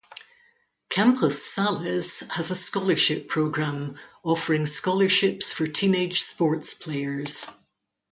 Campos Salles has a scholarship program, offering scholarships for teenage sports players.